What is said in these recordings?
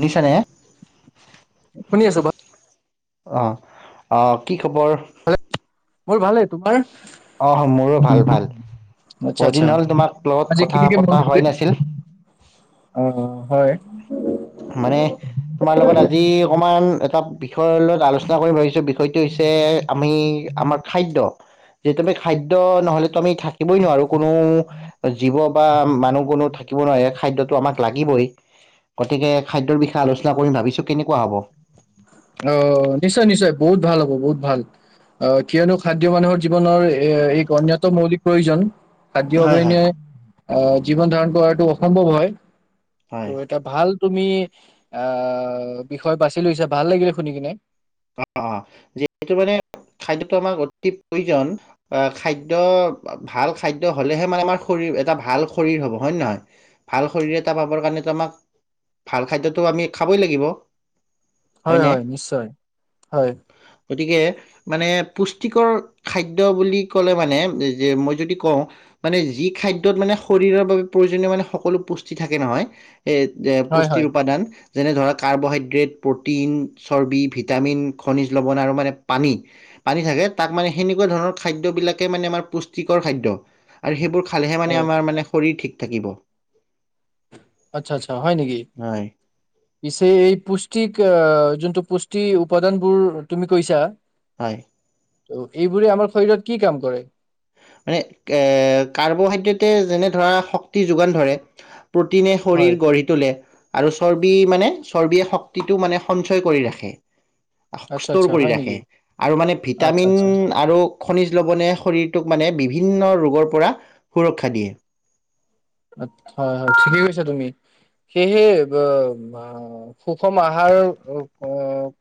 শুনিছানে? শুনি আছো বা অহ, অহ কি খবৰ? মোৰ ভালেই, তোমাৰ? অ মোৰো ভাল-ভাল। আচ্ছা আচ্ছা বহুদিন হল তোমাক লগত আজি কথা কেনেকে মন পতা কৰিল হয় নাছিল। অ হয়। মানে তোমাৰ লগত আজি অকমান এটা বিষয়ৰ লগত আলোচনা কৰি ভাবিছো বি সৈটো হৈছে আমি আমাৰ খাদ্য। যে তু আমি খাদ্য নহলে তো আমি থাকিবই নোৱাৰো কোনো জীৱ বা মানুহ কোনো থাকিব নোৱাৰে খাদ্যটো আমাক লাগিবই। গতিকে খাদ্যৰ বিষয়ে আলোচনা কৰিম ভাবিছো, কেনেকুৱা হ'ব? অহ, নিশ্চয়-নিশ্চয় বহুত ভাল হ'ব বহুত ভাল। অহ কিয়নো খাদ্য মানুহৰ জীৱনৰ এই গণ্যত মৌলিক প্ৰয়োজন। হয় হয়, খাদ্যবনে অহ, জীৱন ধাৰণ কৰাটো অসম্ভৱ হয়। ত' হয়। এটা ভাল তুমি, আহ বিষয় বাচি লৈছা। ভাল লাগিলে শুনি কিনে। অহ-অহ। যিহু মানে খাদ্যটো আমাক অতি প্ৰয়োজন, খাদ্য ভাল খাদ্য হ'লেহে মানে আমাৰ শৰীৰ এটা ভাল শৰীৰ হ'ব, হয়ে নহয়? ভাল শৰীৰ এটা পাব কাৰণো আমাক ভাল খাদ্যটো আমি খাবই লাগিব। হয়নে? হয়-হয়, নিশ্চয়। হয়। গতিকে, মানে পুষ্টিকৰ খাদ্য বুলি ক'লে মানে যে মই যদি কওঁ মানে যি খাদ্যত মানে শৰীৰৰ বাবে প্ৰয়োজনীয় মানে সকলো পুষ্টি থাকে নহয়। সেই হয় পুষ্টিৰ হয় উপাদান। যেনে ধৰা কাৰ্বহাইড্ৰেট প্ৰটিন চৰ্বি ভিত ভিটামিন, খনিজ লৱণ আৰু মানে পানী, পানী থাকে তাত মানে হেনুকা ধৰণৰ খাদ্য বিলাকে মানে আমাৰ পুষ্টিকৰ খাদ্য আৰু সেইবোৰ খালে মানে হয় আমাৰ মানে শৰীৰ ঠিক থাকিব আচ্ছা আচ্ছা হয় নেকি হয় পিছে এই পুষ্টিক অহ যোনটো পুষ্টি উপাদান বোৰ তুমি কৈছা হয় ত এইবোৰে আমাৰ শৰীৰত কি কাম কৰে মানে কে কাৰ্বহাইড্ৰেটে যেনে ধৰা শক্তি যোগান ধৰে প্ৰটিনে হয় শৰীৰ গঢ়ি তোলে আৰু চৰ্বি মানে চৰ্বিয়ে শক্তিটো মানে সঞ্চয় কৰি ৰাখে আচ্ছা ষ্টৰ আচ্ছা কৰি হয় নেকি ৰাখে আৰু মানে আচ্ছা ভিটামিন আচ্ছা আৰু খনিজ লৱণে শৰীৰ বিভিন্ন ৰোগৰ পৰা সুৰক্ষা দিয়ে হয় হয় ঠিকেই কৈছা তুমি সেয়েহে ব বা অ সুষম আহাৰ উ কো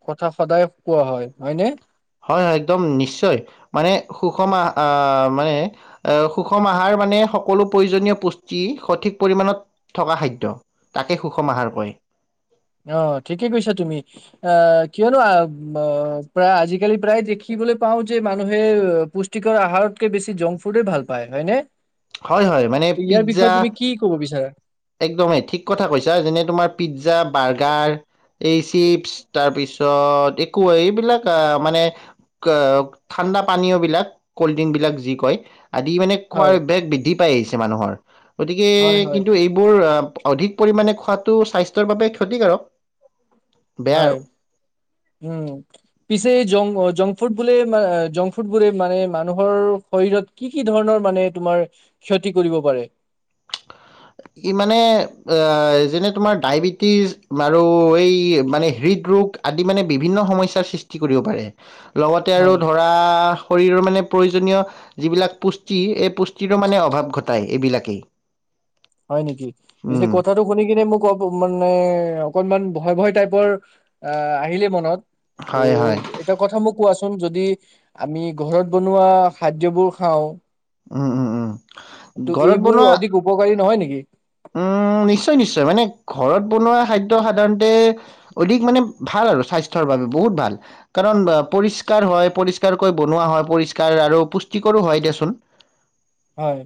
কথা সদায় কোৱা হয় হয়নে হয় হয় একদম নিশ্চয় মানে সুষম আহ আহ মানে এ সুষম আহাৰ মানে সকলো প্ৰয়োজনীয় পুষ্টি সঠিক পৰিমণত থকা খাদ্য তাকে সুষম আহাৰ কয় অ ঠিকেই কৈছা তুমি আহ কিয়নো আ ব প্ৰায় আজিকালি প্ৰায় দেখিবলৈ পাও যে মানুহে পুষ্টিকৰ আহাৰতকে বেছি জংক ফুডে ভাল পায় হয়নে হয় হয় মানে তো ইয়াৰ বিষয়ে পিজ্জা তুমি কি কব বিচাৰা একদমেই ঠিক কথা কৈছা যেনে তোমাৰ পিজ্জা বাৰ্গাৰ এই চিপচ তাৰপিছত একো এইবিলাক আহ মানে কা ঠাণ্ডা পানীও বিলাক কল্ড ড্ৰিংক বিলাক যি কয় আদি মানে খোৱাৰ হয় বৃদ্ধি পাই আহিছে মাত নহয় গতিকে হয় হয় কিন্তু এইবোৰ আ অধিক পৰিমাণে খোৱাটো স্বাস্থ্যৰ বাবে ক্ষতিকাৰক বেয়া আৰু হয় উম পিছে জং অ জ জংক ফুড বোলে আ জংক ফুড বোৰে মানে মানুহৰ শৰীৰত কি কি ধৰণৰ মানে তোমাৰ ক্ষতি কৰিব পাৰে ই মানে এ যেনে তোমাৰ ডায়বেটিছ আৰু এই মানে হৃদৰোগ আদি মানে বিভিন্ন সমস্যাৰ সৃষ্টি কৰিব পাৰে লগতে আৰু হয় ধৰা শৰীৰৰ মানে প্ৰয়োজনীয় যিবিলাক পুষ্টি এই পুষ্টিৰো মানে অভাৱ ঘটায় এইবিলাকেই হয় নিকি পিছে উম কথাটো শুনি কিনে মোক অপ মানে অকনমান ভয় ভয় টাইপ পৰ আ আহিলে মনত ত' হয় হয় এটাৰ কথা মোক কোৱাছো হম যদি আমি ঘৰত বনোৱা খাদ্যবোৰ খাওঁ উম উম উম ত' এইবোৰ অধিক উপকাৰী নহয় নি কি উ নিশ্চয় নিশ্চয় মানে ঘৰত বনোৱা খাদ্য সাধাৰণতে অধিক মানে ভাল আৰু স্বাস্থ্যৰ বাবে, বহুত ভাল। কাৰণ পৰিষ্কাৰ হয় পৰিষ্কাৰকৈ বনোৱা হয় পৰিষ্কাৰ আৰু পুষ্টিকৰো হয় দেচোন। হয়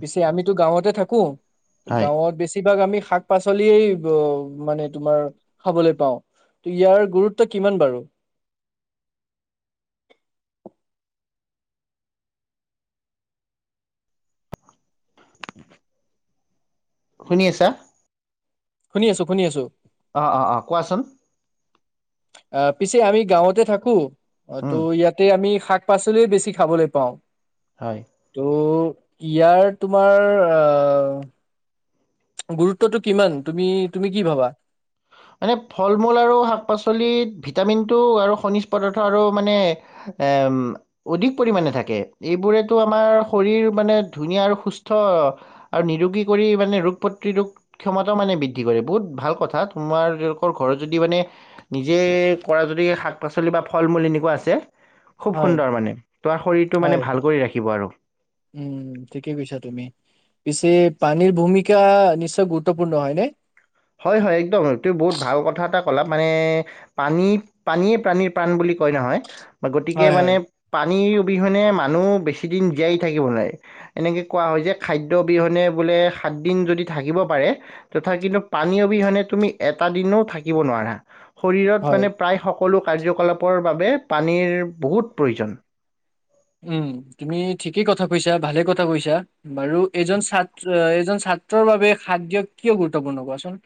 পিছে আমিতো গাঁৱতে থাকো। হয় গাঁৱত বেছিভাগ আমি শাক পাচলিয়েই মানে তোমাৰ খাবলৈ পাওঁ। ত ইয়াৰ গুৰুত্ব কিমান বাৰু? উ [inaudible] শুনি আছা? শুনি আছো -শুনি আছো অহ -অহ -অহ কোৱাচোন? আহ', পিছে আমি গাঁৱতে থাকো। অহ, ত' উম, ইয়াতে আমি শাক শাক পাচলিয়ে বেছি খাবলৈ পাওঁ। হয়। তহ ', ইয়াৰ তোমাৰ আহ ', গুৰুত্বটো কিমান, তুমি তুমি কি ভাবা? মানে ফল মূল আৰু শাক পাচলিত ভিটামিনটো আৰু খনিজ পদাৰ্থ আৰু মানে অধিক পৰিমাণে থাকে। এইবোৰেতো আমাৰ শৰীৰ মানে ধুনীয়া আৰু সুস্থ আৰু নিৰোগী কৰি মানে ৰোগ প্ৰতিৰোধ ক্ষমতাও মানে বৃদ্ধি কৰে বহুত ভাল কথাত। তোমাৰ তেওঁলোকৰ ঘৰত যদি মানে নিজে কৰা যদি শাক পাচলি বা ফল মূল এনেকুৱা আছে খুব হয়, সুন্দৰ মানে তোমাৰ শৰীৰটো মানে হয়, ভাল কৰি ৰাখিব আৰু উম, ঠিকেই কৈছা তুমি। পিছে পানীৰ ভূমিকা নিশ্চয় গুৰুত্বপূৰ্ণ হয়নে? হয়, হয় একদম, তুমি বহুত ভাল কথা এটা কলা মানে পানী পানীয়ে প্ৰণীৰ প্ৰাণ বুলি কয় নহয়। বা গতিকে হয় মানে হয় পানীৰ অবিহনে মানুহ বেছি দিন জীয়াই থাকিব নোৱাৰে। এনেকৈ কোৱা হয় যে খাদ্য অবিহনে বোলে সাতদিন যদি থাকিব পাৰে, তথাপি পানী অবিহনে তুমি এটা দিনও থাকিব নোৱাৰা। শৰীৰত হয় মানে প্ৰায় শক্তি সকলো কাৰ্যকলাপৰ বাবে পানীৰ বহুত প্ৰয়োজন। উম', তুমি ঠিকেই কথা কৈছা, ভালে কথা, কৈছা বাৰু এজন ছাত্ৰ, এজন ছাত্ৰৰ বাবে সাদ দিয় কিয় গুৰুত্বপূৰ্ণ কোৱাচোন?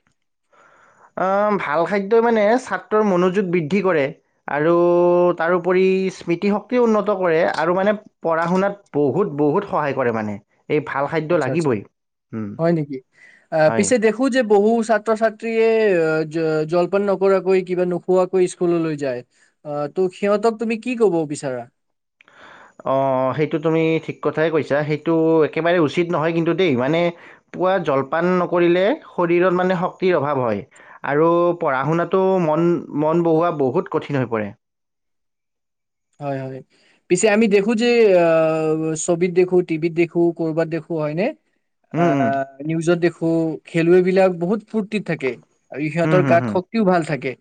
অহ ', ভাল খাদ্যই মানে ছাত্ৰৰ মনোযোগ বৃদ্ধি কৰে। আৰু তাৰোপৰি স্মৃতিশক্তি উন্নত কৰে, আৰু মানে পঢ়া শুনাত বহুত বহুত সহায় কৰে মানে। এই ভাল খাদ্য আচ্ছা- আচ্ছা লাগিবই উম, হয় নেকি, আহ ', হয় পিছে দেখো যে? বহু ছাত্ৰ ছাত্ৰীয়ে জল জলপান নকৰাকৈ কিবা নোখোৱাকৈ স্কুললৈ যায় আহ ত', সিহঁতক তুমি কি কব বিচাৰা? অহ, সেইটো তুমি ঠিক কথাই কৈছা সেইটো একেবাৰে উচিত নহয় কিন্তু দেই। মানে পুৱা জলপান নকৰিলে শৰীৰত মানে শক্তিৰ অভাৱ হয়। আৰু পঢ়া শুনাতো মন, মন বহোৱা বহুত কঠিন হৈ পৰে। হয়, হয় পিছে আমি দেখো যে আহ ', ছবিত দেখো টিভিত দেখো কৰ'বাত দেখো হয়নে। উম উম আহ, নিউজত দেখো। কু খেলুৱৈবিলাক বহুত ফুৰৰ্তিত থাকে। আৰু হুম সিহঁতৰ হুম গাত হুম শক্তিও ভাল থাকে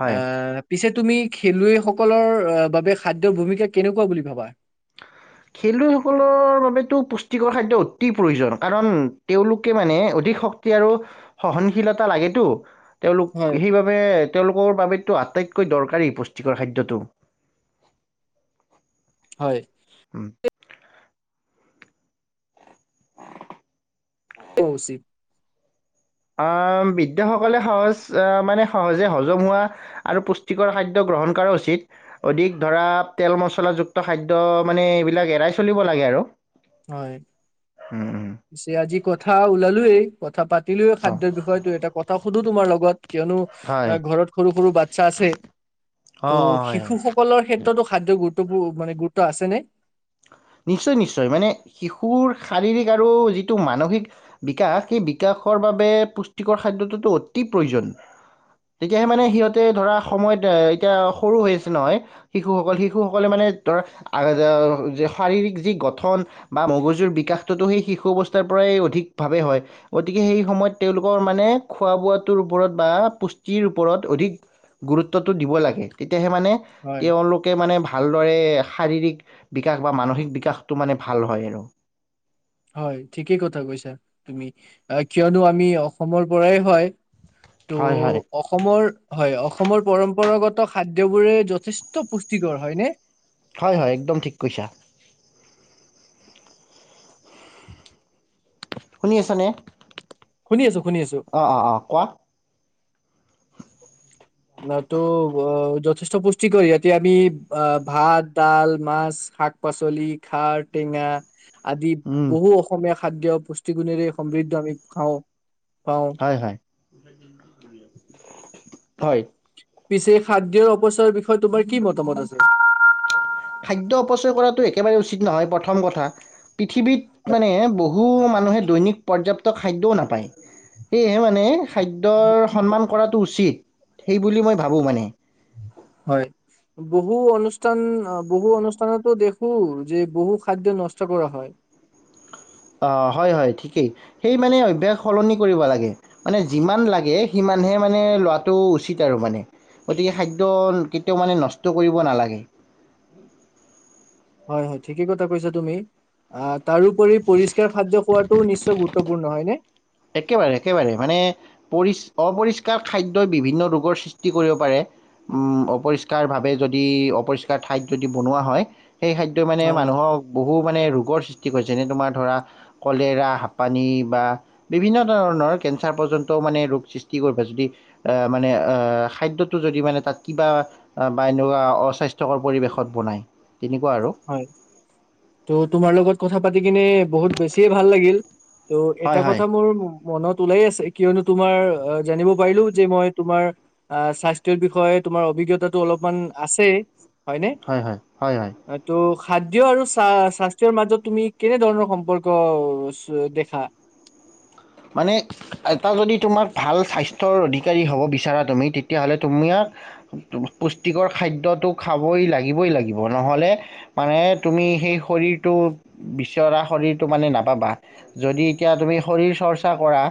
হয় আহ', পিছে তুমি খেলুৱৈসকলৰ বা খাদ্যৰ ভূমিকা কেনেকুৱা বুলি ভাবা? খেলুৱৈসকলৰ বাবেতো পুষ্টিকৰ খাদ্য অতি প্ৰয়োজন। কাৰণ তেওঁলোকে মানে অধিক শক্তি আৰু সহনশীলতা লাগেতো। হয় তেওঁলোক সেইবাবে তেওঁলোকৰ বাবেতো আটাইতকৈ কৈ দৰকাৰী পুষ্টিকৰ খাদ্যটো। হয়। উম। উচিত আহ', বৃদ্ধাসকলে সহজ আহ মানে সহজে হজম হোৱা আৰু পুষ্টিকৰ খাদ্য গ্ৰহণ কৰা উচিত অধিক ধৰা তেল মছলাযুক্ত খাদ্য মানে এইবিলাক এৰাই চলিব লাগে আৰু হয় উম, উম। পিছে আজি কথা ওলালোয়ে, কথা পাত পাতিলোয়ে অ, খাদ্যৰ বিষয়টো এটা কথা সুধো তোমাৰ লগত কিয়নো হয় ঘৰত সৰু সৰু বাচ্ছা আছে অঁ ত' অঁ হয় হয় শিশুসকলৰ ক্ষেত্ৰতো খাদ্য গুৰুত্ব মানে গুৰুত্ব আছে নে? নিশ্চয় নিশ্চয় মানে শিশুৰ শাৰীৰিক আৰু যিটো মানসিক বিকাশ সেই বিকাশৰ বাবে পুষ্টিকৰ খাদ্যটোতো অতি প্ৰয়োজন, তেতিয়াহে মানে সিহঁতে ধৰা সময়ত এতিয়া সৰু হৈ আছে নহয় শিশুসকল শিশুসকলে মানে ধৰা শাৰীৰিক যি গঠন বা মগজুৰ বিকাশটোতো সেই শিশু অৱস্থাৰ পৰাই অধিকভাৱে হয় গতিকে সেই সময়ত তেওঁলোকৰ মানে খোৱা বোৱাটোৰ ওপৰত বা পুষ্টিৰ ওপৰত অধিক গুৰুত্বটো দিব লাগে। তেতিয়াহে মানে হয়। তেওঁলোকে মানে ভা ভালদৰে শাৰীৰিক বিকাশ বা মানসিক বিকাশটো মানে ভাল হয় আৰু। হয় ঠিকেই কথা কৈছা তুমি কিয়নো আমি অসমৰ পৰাই হয় হয় হয় ত' অসমৰ হয় অসমৰ পৰম্পৰাগত খাদ্যবোৰে যথেষ্ট পুষ্টিকৰ হয়নে। হয় হয় একদম ঠিক কৈছা। শুনি আছা নে। শুনি আছো শুনি আছো। অঁ অ' - অ' কোৱা। নাতো যথেষ্ট পুষ্টিকৰ ইয়াতে আমি অঁ ভাত, ডাল, মাছ, শাক পাচলি, খাৰ টেঙা। আদি উম বহু অসমীয়া খাদ্য পুষ্টিগুণেৰে সমৃদ্ধ আমি খাওঁ। পাওঁ হয় হয়। হয়। পিছে খাদ্যৰ অপচয়ৰ বিষয়ে তোমাৰ কি মতামত আছে। খাদ্য অপচয় কৰাটো একেবাৰে উচিত নহয় প্ৰথম কথা পৃথিৱীত মানে বহু মানুহে দৈনিক পৰ্যাপ্ত খাদ্যও নাপায় সেয়েহে মানে খাদ্যৰ সন্মান কৰাটো উচিত। সেই বুলি মই ভাবো মানে। হয় বহু অনুষ্ঠান বহু অনুষ্ঠানতো দেখো যে বহু খাদ্য নষ্ট কৰা হয়। অঁ হয়-হয় ঠিকেই, সেই মানে অভ্যাস সলনি কৰিব লাগে মানে যিমান লাগে সিমানহে মানে লোৱাটো উচিত আৰু মানে গতিকে খাদ্য কেতিয়াও মানে নষ্ট কৰিব নালাগে। হয় হয় ঠিকেই কথা কৈছা তুমি। আঁ তাৰোপৰি পৰিস্কাৰ খাদ্য খোৱাটোও নিশ্চয় গুৰুত্বপূৰ্ণ হয় নে? একেবাৰে একেবাৰে মানে পৰি অপৰিষ্কাৰ খাদ্যই বিভিন্ন ৰোগৰ সৃষ্টি কৰিব পাৰে, উম অপৰিষ্কাৰভাৱে যদি অপৰিষ্কাৰ ঠাইত যদি বনোৱা হয়। সেই খাদ্যই মানে অ মানুহক বহুত মানে ৰোগৰ সৃষ্টি কৰে যেনে তোমাৰ ধৰা কলেৰা, হাপানি বা বিভিন্ন ধৰণৰ কেঞ্চাৰ পৰ্যন্তও মানে ৰোগ সৃষ্টি কৰিব যদি মানে অঁ খাদ্যটো যদি মানে তাত কিবা বা এনেকুৱা অস্বাস্থ্যকৰ পৰিৱেশত বনায়। তেনেকুৱা আৰু হয় ত' তোমাৰ লগত কথা পাতি কিনে বহুত বেছিয়ে ভাল লাগিল। ত' এটা হয় হয় কথা মোৰ মনত ওলাই আছে কিয়নো তোমাৰ জানিব পাৰিলো যে মই তোমাৰ আ স্বাস্থ্যৰ বিষয়ে তোমাৰ অভিজ্ঞতাটো অলপমান আছেই। হয় হয় হয় হয় ত' খাদ্য আৰু স্বাস্থ্যৰ মাজত তুমি কেনে ধৰণৰ সম্পৰ্ক দেখা মানে এটা যদি তোমাক ভাল স্বাস্থ্যৰ অধিকাৰী হ'ব বিচাৰা তুমি তেতিয়াহ'লে তোমাক পুষ্টিকৰ খাদ্যটো খাবই লাগিবই লাগিব নহ'লে মানে তুমি সেই শৰীৰটো বিচৰা শৰীৰটো মানে নাপাবা যদি এতিয়া তুমি শৰীৰ চৰ্চা চৰ্চা কৰা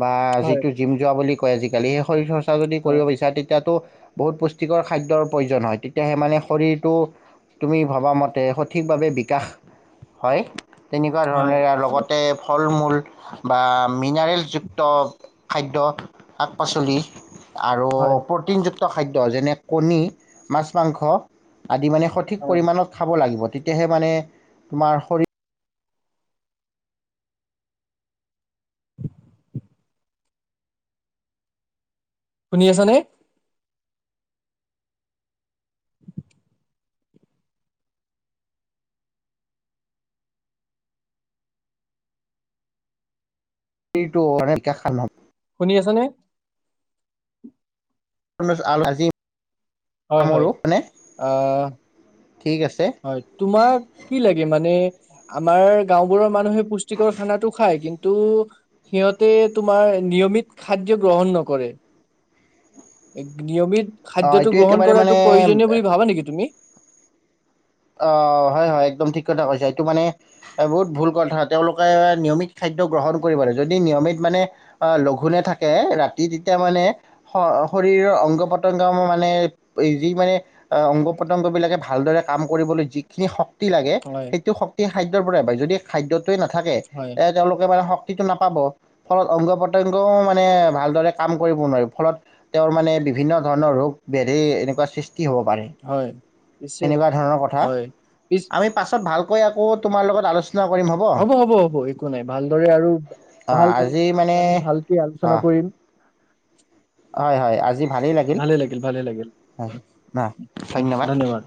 বা হয় যিটো জিম যোৱা বুলি কয় আজি গ'লেই শৰীৰ চৰ্চা যদি কৰিব হয় বিচাৰে তেতিয়াতো বহুত পুষ্টিকৰ খাদ্যৰ প্ৰয়োজন হয় তেতিয়া সেই মানে শৰীৰটো তুমি ভবাামতে সঠিকভাৱে বিকাশ হয় তেনেকুৱা হয় ধৰণৰৰে লগতে ফল মূল মূল বা মিনাৰেলযুক্ত খাদ্য শাক পাচলি আৰু হয় প্ৰটিন জাতীয় যুুক্ত খাদ্য যেনে কণী মাছ মাংস আদি মানে সঠিক হয় পৰিমাণত খাব লাগিব। তেতিয়াহে মানে তোমাৰ শৰীৰ [inaudible] শুনি আছা নে? [inaudible] এইটো এনেকে খাম আৰু [unintelligible] শুনি আছা নে? [unintelligible] হয় হয় সামৰোঁ মানে আঁহ ঠিক আছে হয় তোমাক কি লাগে মানে আমাৰ গাঁওবোৰৰ মানুহে পুষ্টিকৰ খানাটো খায় কিন্তু কিন্ত সিহঁতে তোমাৰ নিয়মিত খাদ্য গ্ৰহণ নকৰে নিয়মিত অঁ খাদ্যটো এইটো গ্ৰহণ একেবাৰে কৰাটো মানে প্ৰয়োজনীয় বুলি ভাবা নেকি তুমি আহ হয় হয় একদম ঠিক কথা কৈছে এইটো মানে বহুত ভুল কথা তেওঁলোকে নিয়মিত খাদ্য গ্ৰহণ কৰিব লাগে যদি নিয়মিত মানে লঘোনে থাকে ৰাতি তেতিয়া মানে শৰীৰৰ অংগ পতংগ মানে যি মানে অংগ পতংগ বিলাকে ভালদৰে কাম কৰিবলৈ যিখিনি শক্তি শক্তি লাগে হয় সেইটো শক্তিে খাদ্যৰ পৰাই পায় যদি খাদ্যত যদি নাথাকে হয় এ তেওঁলোকে মানে শক্তি শক্তিটো নাপাব ফলত অংগ প্ৰতংগও মানে ভালদৰে কাম কৰিব নোৱাৰিব ফলত তেওঁৰ মানে বিভিন্ন ধৰণৰ ৰোগ বেধি এনেকুৱা সৃষ্টি হয় পিছে ন কথা হয় পিছ আমি পাছত ভালকৈ আকৌ তোমাৰ লগত আলোচ- হ'ব হ'ব হ'ব একো নাই ভালদৰে আৰু আহ ভাল ভাল আজি মানে আমি ভালকে আলোচনা অঁ কৰিম [inaudible] হয় হয় আজি ভালে লাগিল ভালে লাগিল হয় উ অঁ উ ধন্যবাদ